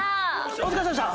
お疲れさまでした。